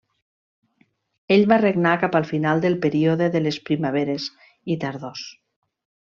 Ell va regnar cap al final del període de les Primaveres i tardors.